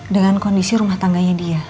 dengan kondisi rumah tangganya dia